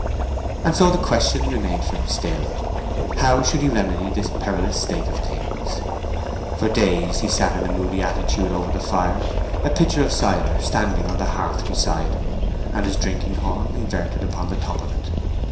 And so the question remained for him still: how should he remedy this perilous state of things? For days he sat in a moody attitude over the fire, a pitcher of cider standing on the hearth beside him, and his drinking horn inverted upon the top of it.